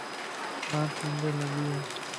مانک ننڊ لڳي ائي